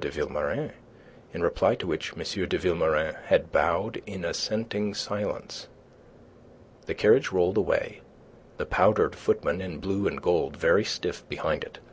de Vilmorin in reply to which M. de Vilmorin had bowed in assenting silence. The carriage rolled away, the powdered footman in blue and gold very stiff behind it, M.